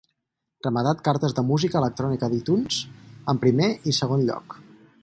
Rematat cartes de música electrònica d'iTunes amb primer i segon lloc.